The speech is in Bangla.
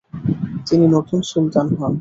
তিনি নতুন সুলতান হন।